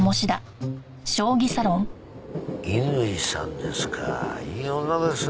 乾さんですかいい女ですね。